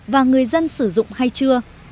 và người dân sử dụng hay chưa